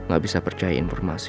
gak bisa percaya informasi